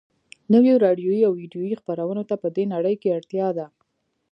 نویو راډیویي او ويډیویي خپرونو ته په دې نړۍ کې اړتیا ده